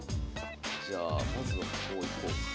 じゃあまずはこういこうか。